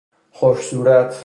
خوش صورت